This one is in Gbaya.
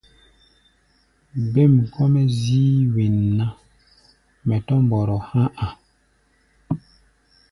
Bêm kɔ́-mɛ́ zíí wen ná, mɛ tɔ̧́ mbɔrɔ há̧ a̧.